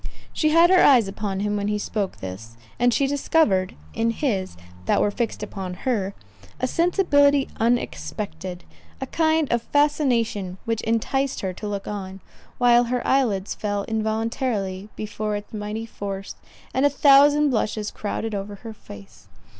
She had her eyes upon him when he spoke this, and she discovered in his, that were fixed upon her, a sensibility unexpected—a kind of fascination which enticed her to look on, while her eyelids fell involuntarily before its mighty force, and a thousand blushes crowded over her face.